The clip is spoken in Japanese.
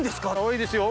いいですよ。